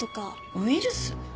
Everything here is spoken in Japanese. ウイルス？